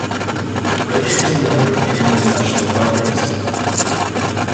Reddy was a member of the Indian National Congress.